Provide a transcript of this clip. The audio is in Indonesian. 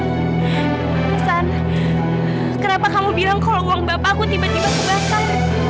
aksan kenapa kamu bilang kalau uang bapaku tiba tiba kebakar